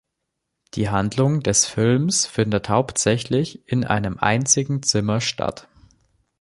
Die Handlung des Films findet hauptsächlich in einem einzigen Zimmer statt.